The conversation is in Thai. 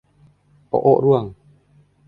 โอะโอะร่วง